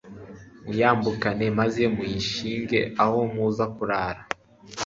muyambukane maze muyashinge aho muza kurara